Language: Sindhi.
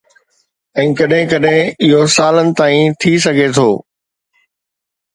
۽ ڪڏهن ڪڏهن اهو سالن تائين ٿي سگهي ٿو.